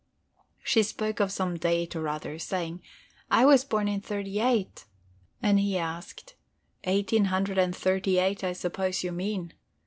She spoke of some date or other, saying: "I was born in '38," and he asked, "Eighteen hundred and thirty eight, I suppose you mean?"